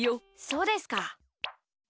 そうですか。